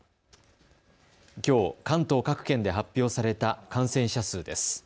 きょう、関東各県で発表された感染者数です。